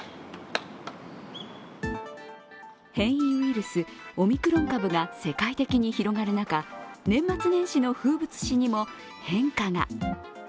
変異ウイルス・オミクロン株が世界的に広がる中、年末年始の風物詩にも変化が。